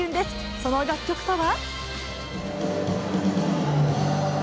その楽曲とは。